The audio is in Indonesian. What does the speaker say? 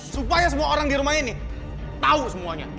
supaya semua orang di rumah ini tahu semuanya